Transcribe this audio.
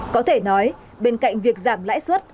có thể nói bên cạnh việc giảm lãi suất